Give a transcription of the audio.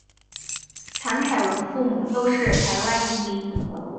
谭凯文父母都是台湾移民。